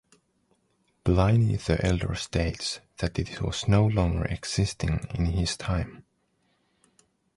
Pliny the Elder states that it was no longer existing in his time.